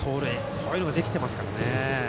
こういうのができていますからね。